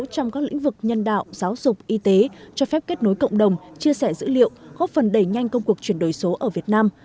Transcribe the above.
trong các lĩnh vực nhân đạo giáo dục y tế cho phép kết nối cộng đồng chia sẻ dữ liệu góp phần đẩy nhanh công cuộc chuyển đổi số ở việt nam